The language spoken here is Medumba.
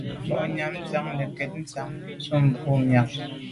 Ba nyàm diag nekeb ntsha ntùm bwôg miag.